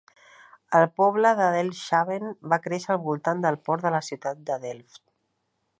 El poble de Delfshaven va créixer al voltant del port de la ciutat de Delft.